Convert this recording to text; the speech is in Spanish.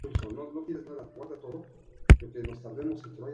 El pueblo se encuentra repartido en tres núcleos.